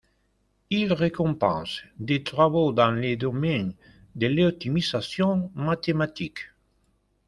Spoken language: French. Il récompense des travaux dans le domaine de l'optimisation mathématique.